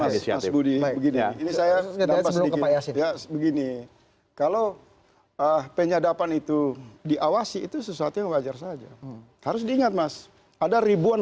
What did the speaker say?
begini kalau penyadapan itu diawasi itu sesuatu yang wajar saja harus diingat mas ada ribuan